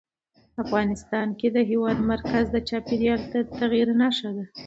افغانستان کې د هېواد مرکز د چاپېریال د تغیر نښه ده.